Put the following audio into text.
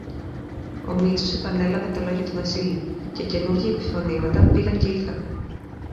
Ο Μήτσος επανέλαβε τα λόγια του Βασίλη, και καινούρια επιφωνήματα πήγαν και ήλθαν.